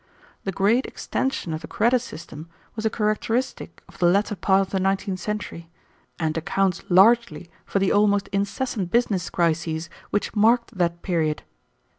The great extension of the credit system was a characteristic of the latter part of the nineteenth century, and accounts largely for the almost incessant business crises which marked that period.